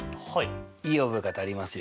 いい覚え方ありますよ。